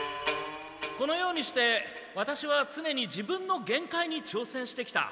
このようにしてワタシはつねに自分の限界に挑戦してきた。